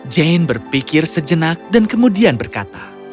jane berpikir sejenak dan kemudian berkata